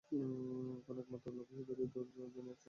এখন একমাত্র লক্ষ্য, ইহুদীদেরকে দুনিয়ার ড্রাইভিং সিটে বসাতে হবে।